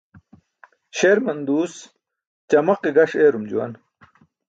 Śerman duus ćamaqe gaṣ eerum juwan.